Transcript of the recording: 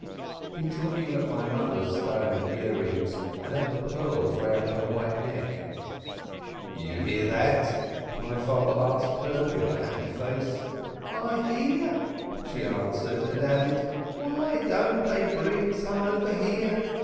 (He was looking at my mother's diamond ear rings, and at the pearls round her white neck.) "You hear that ?" my father asked her, with a happy face. "I hear," she answered, and added: "Why don't they bring some over here?